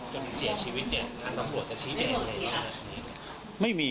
จนเสียชีวิตทางตำรวจจะชี้เจ๋งอะไรอย่างนี้